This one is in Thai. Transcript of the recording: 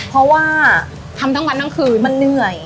เพราะว่าทำทั้งวันทั้งคืนมันเหนื่อย